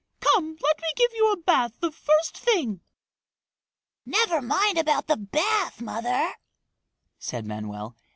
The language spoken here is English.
Come, let me give you a bath the first thing!" "Never mind about the bath, mother," said Manoel.